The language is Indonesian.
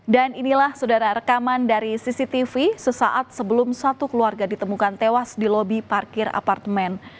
dan inilah sodara rekaman dari cctv sesaat sebelum satu keluarga ditemukan tewas di lobi parkir apartemen